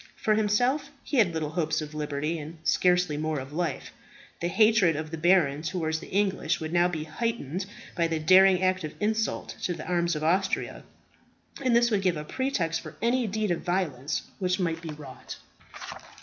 For himself, he had little hopes of liberty, and scarcely more of life. The hatred of the baron towards the English would now be heightened by the daring act of insult to the arms of Austria, and this would give a pretext for any deed of violence which might be wrought.